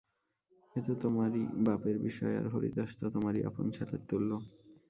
এ তো তোমারই বাপের বিষয়, আর হরিদাস তো তোমারই আপন ছেলের তুল্য।